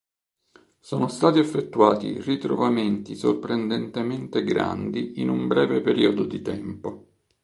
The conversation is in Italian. Sono stati effettuati ritrovamenti sorprendentemente grandi in un breve periodo di tempo.